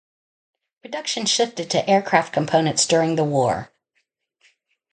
Production shifted to aircraft components during the war.